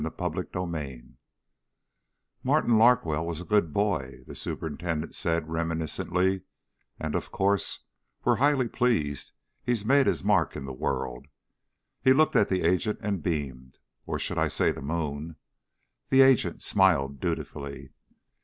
CHAPTER 17 "Martin Larkwell was a good boy," the superintendent said reminiscently, "and of course we're highly pleased he's made his mark in the world." He looked at the agent and beamed. "Or should I say the moon?" The agent smiled dutifully.